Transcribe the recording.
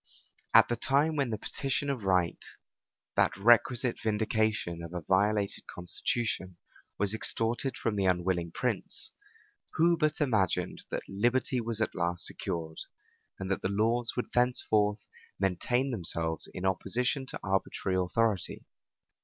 At the time when the petition of right, that requisite vindication of a violated constitution, was extorted from the unwilling prince, who but imagined that liberty was at last secured, and that the laws would thenceforth maintain themselves in opposition to arbitrary authority?